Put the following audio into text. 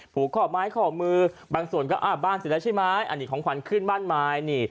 ผูกข้อม้ายข้อมือบางส่วนก็อ้าวบ้านเสร็จแล้วใช่ไหมอันนี้ของขวัญขึ้นบ้านไม้